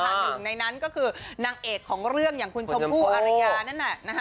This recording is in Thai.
หนึ่งในนั้นก็คือนางเอกของเรื่องอย่างคุณชมพู่อารยานั่นแหละ